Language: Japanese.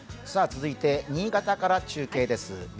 続いて新潟から中継です。